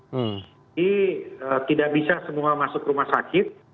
jadi tidak bisa semua masuk rumah sakit